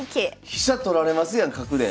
飛車取られますやん角で。